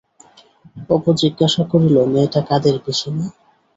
অপু জিজ্ঞাসা করিল-মেয়েটা কাদের পিসিমা?